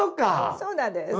そうなんです。